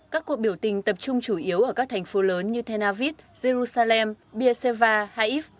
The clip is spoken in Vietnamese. các cuộc biểu tình tập trung chủ yếu ở các thành phố lớn như tel aviv jerusalem beersheba haif